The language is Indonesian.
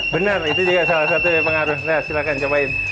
benar itu juga salah satu pengaruh nah silahkan cobain